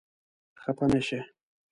خپه نه شې؟